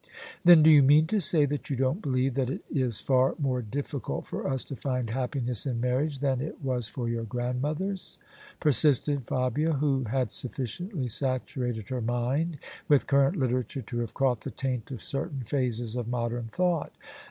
" Then do you mean to say that you don't believe that it is far more difficult for us to find happiness in marriage than It was for your grandmothers?" persisted Fabia, who had sufficiently saturated her mind with current literature to have caught the taint of certain phases of modern thought.